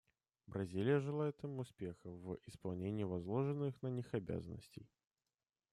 Бразилия желает им успеха в исполнении возложенных на них обязанностей.